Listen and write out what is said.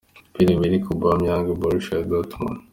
Pierre-Emerick Aubameyang - Borussia Dortmund.